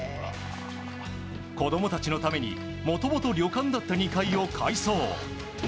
子供たちのためにもともと旅館だった２階を改装。